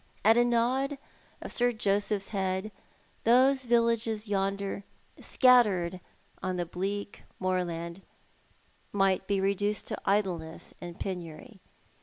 At a nod of Sir Joseph's head, those villages yonder, scattered on the bleak moorland, might be reduced to idleness and penury.